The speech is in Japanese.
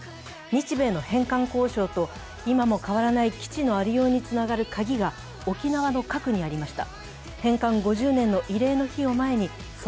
日米の返還交渉と今も変わらない基地のありようにつながるカギが沖縄の核にありました。